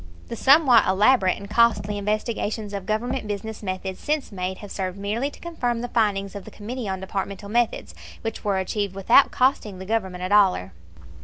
The somewhat elaborate and costly investigations of Government business methods since made have served merely to confirm the findings of the Committee on Departmental Methods, which were achieved without costing the Government a dollar.